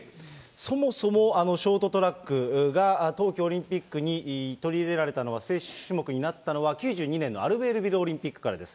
そもそもあのショートトラックが冬季オリンピックに取り入れられたのは、正式種目になったのは、９２年のアルベールビルオリンピックからです。